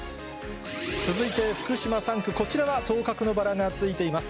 続いて福島３区、こちらは当確のバラがついています。